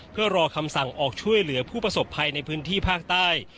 เพื่อรอคำสั่งออกช่วยเหลือผู้ประสบภัยในพื้นที่ภาคใต้